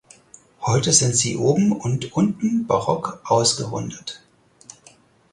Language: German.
Heute sind sie oben und unten barock ausgerundet.